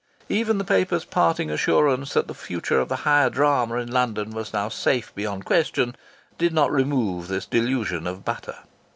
Even the paper's parting assurance that the future of the higher drama in London was now safe beyond question did not remove this delusion of butter.